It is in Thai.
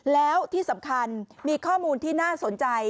แล้วที่สำคัญมีข้อมูลที่น่าสนใจ